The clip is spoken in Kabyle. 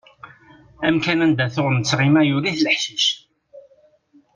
Amkan anda tuɣ nettɣima yuli-t leḥcic.